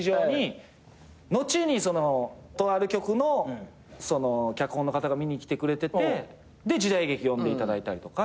後にとある局の脚本の方が見に来てくれてて時代劇呼んでいただいたりとか。